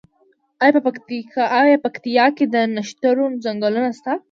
آیا په پکتیا کې د نښترو ځنګلونه شته؟